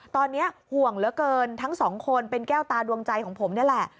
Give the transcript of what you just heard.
ตอนนี้ห่วงเหลือเกินทั้งสองคนเป็นแก้วตาดวงใจของผมนี่แหละ